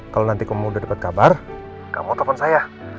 kalau nanti kamu udah dapet kabar kamu telfon saya